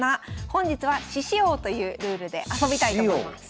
本日は獅子王というルールで遊びたいと思います。